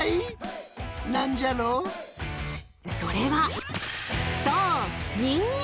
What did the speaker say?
それはそう！